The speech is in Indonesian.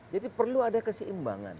jadi perlu ada keseimbangan